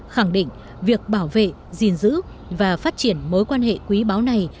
khẳng định việc bảo vệ gìn giữ và phát triển mối quan hệ quý báu này